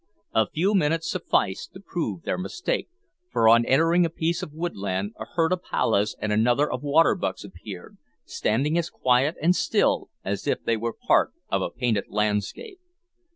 A few minutes sufficed to prove their mistake, for, on entering a piece of woodland, a herd of pallahs, and another of water bucks, appeared, standing as quiet and still as if they were part of a painted landscape.